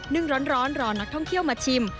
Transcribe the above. ึ่งร้อนรอนักท่องเที่ยวมาชิม